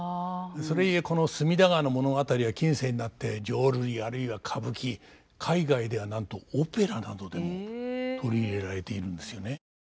それゆえこの「隅田川」の物語は近世になって浄瑠璃あるいは歌舞伎海外ではなんとオペラなどでも取り入れられているんですよね。